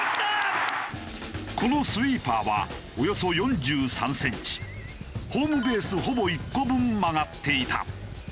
このスイーパーはおよそ４３センチホームベースほぼ１個分曲がっていた。